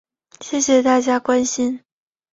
谢谢大家关心